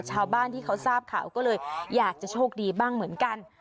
ชาวบ้านที่เขาทราบข่าวก็เลยอยากจะโชคดีบ้างเหมือนกัน